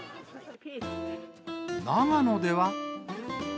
長野では。